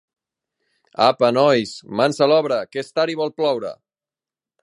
Apa, nois, mans a l'obra, que és tard i vol ploure!